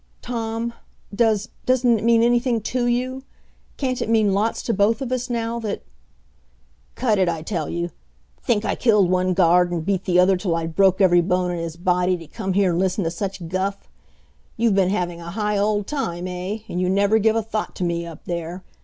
"Tom does doesn't it mean anything to you? Can't it mean lots to both of us now that " "Cut it, I tell you! Think I killed one guard and beat the other till I'd broke every bone in his body to come here and listen to such guff? You've been having a high old time, eh, and you never give a thought to me up there!